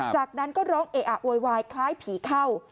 จากนั้นก็ร้องเออะโวยวายคล้ายผีเข้า